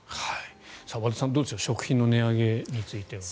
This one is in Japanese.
和田さん、どうでしょう食品の値上げについては。